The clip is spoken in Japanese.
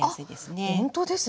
あっほんとですね。